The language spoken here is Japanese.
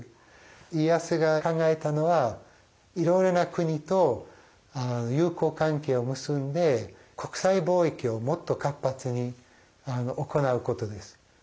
家康が考えたのはいろいろな国と友好関係を結んで国際貿易をもっと活発に行うことです。